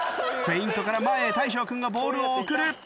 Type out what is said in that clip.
フェイントから前へ大昇君がボールを送る。